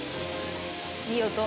いい音。